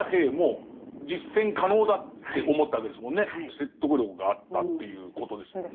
説得力があったっていうことですもんね。